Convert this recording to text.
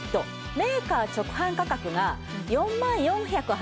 メーカー直販価格が４万４８０円のところ